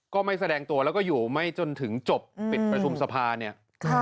ก็ไม่แสดงตัวแล้วก็อยู่ไม่จนถึงจบปิดประชุมสภาเนี่ย